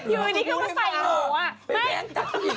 อยู่อันนี้เขามาใส่โหว่ะไม่ไปแม่จัดอีก